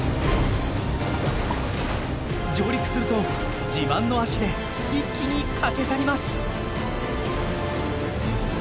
上陸すると自慢の足で一気に駆け去ります！